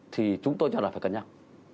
thì chúng tôi cho là phải cân nhắc